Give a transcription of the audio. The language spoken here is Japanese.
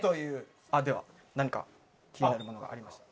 では何か気になるものがありましたら。